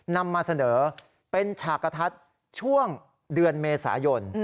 นำมาเสนอเป็นฉากกระทัดช่วงเดือนเมษายน